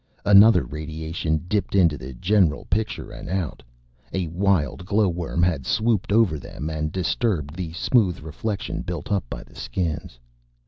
Another radiation dipped into the general picture and out. A wild glowworm had swooped over them and disturbed the smooth reflection built up by the Skins.